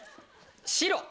白！